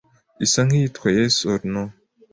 isa nk’iyitwa Yes or No